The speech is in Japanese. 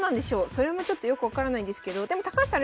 それもちょっとよく分からないんですけどでも高橋さん